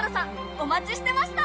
お待ちしてました！